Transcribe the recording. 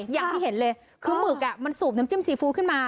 อย่างที่เห็นเลยคือหมึกมันสูบน้ำจิ้มซีฟู้ดขึ้นมา